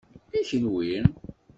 I kenwi?